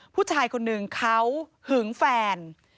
ผู้ชายคนหนึ่งเขาหึงแฟน